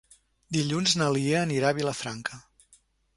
Dilluns na Lia anirà a Vilafranca.